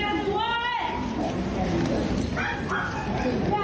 สวัสดีครับคุณผู้ชาย